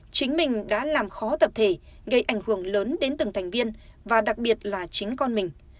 chính mình đã làm khó tập thể gây ảnh hưởng lớn đến từng thành viên và đặc biệt là chính con mình